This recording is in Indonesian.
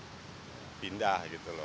jadi pindah gitu loh